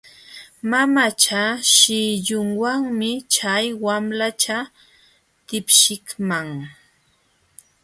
Mamacha shillunwanmi chay wamlacha tipshiqman.